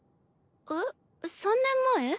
えっ３年前？